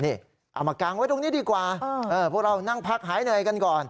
เอามากางไว้ตรงนี้ดีกว่าพวกเรานั่งพักหายเหนื่อยกันก่อน